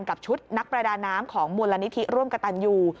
กับชุดนักประดาน้ำของมูลนิธิร่วมกับตันยู